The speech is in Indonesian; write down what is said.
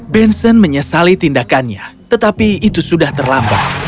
benson menyesali tindakannya tetapi itu sudah terlambat